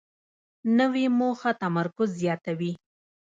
نوې موخه تمرکز زیاتوي